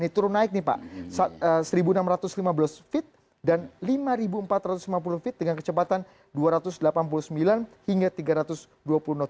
turun naik nih pak seribu enam ratus lima belas feet dan lima empat ratus lima puluh feet dengan kecepatan dua ratus delapan puluh sembilan hingga tiga ratus dua puluh knot